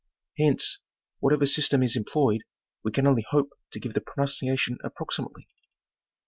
Hence, whatever system is employed, we can only hope to give the pronunciation approximately.